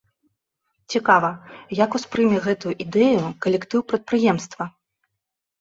Цікава, як успрыме гэтую ідэю калектыў прадпрыемства?